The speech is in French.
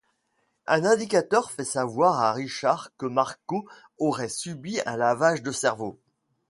Un indicateur fait savoir à Richard que Marco aurait subi un lavage de cerveau.